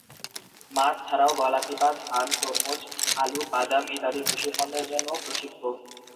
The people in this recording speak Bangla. মাছ ছাড়াও গলাচিপা ধান, তরমুজ, আলু, বাদাম ইত্যাদি কৃষি পণ্যের জন্যও প্রসিদ্ধ।